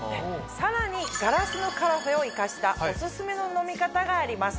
さらにガラスのカラフェを生かしたオススメの飲み方があります。